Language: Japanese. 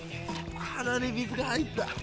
鼻に水が入った。